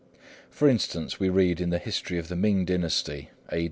For instance, we read in the History of the Ming Dynasty, A.